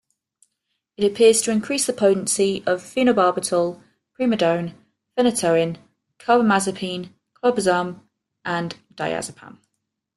It appears to increase the potency of phenobarbital, primidone, phenytoin, carbamazepine, clobazam and diazepam.